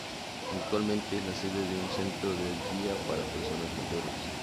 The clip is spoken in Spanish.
Actualmente es la sede de un centro de día para personas mayores.